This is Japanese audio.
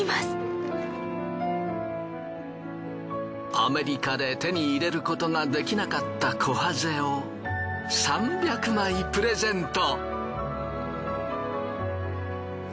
アメリカで手に入れることができなかったこはぜを３００枚プレゼント。